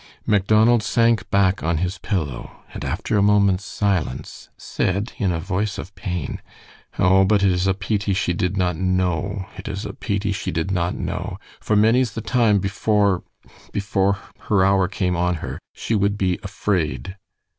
Macdonald sank back on his pillow, and after a moment's silence, said, in a voice of pain: "Oh, but it is a peety she did not know! It is a peety she did not know. For many's the time before before her hour came on her, she would be afraid."